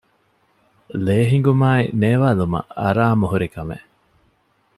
ލޭހިނގުމާއި ނޭވާލުމަށް އަރާމުހުރި ކަމެއް